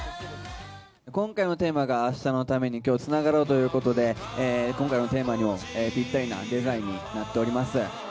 今回のテーマが、明日のために、今日つながろう。ということで、今回のテーマにもぴったりなデザインになっております。